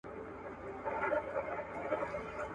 له يوه سپاره دوړه نه خېژى.